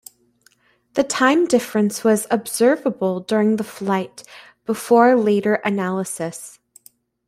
The time difference was observable during the flight, before later analysis.